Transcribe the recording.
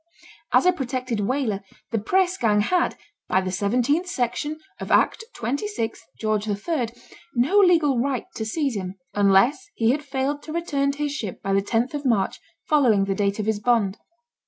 As a protected whaler, the press gang had, by the 17th section of Act 26 Geo. III. no legal right to seize him, unless he had failed to return to his ship by the 10th March following the date of his bond.